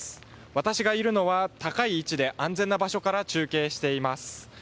私がいるのは高い位置で安全な場所から中継しています。